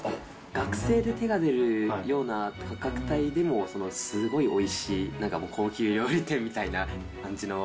学生で手が出るような価格帯でもすごいおいしい、なんか高級料理店みたいな感じの。